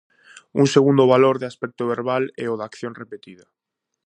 Un segundo valor de aspecto verbal é o da acción repetida.